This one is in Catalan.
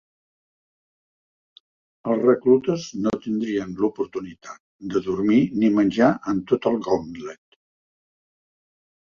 Els reclutes no tindrien l'oportunitat de dormir ni menjar en tot el Gauntlet.